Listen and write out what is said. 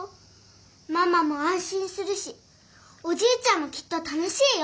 ママもあんしんするしおじいちゃんもきっと楽しいよ。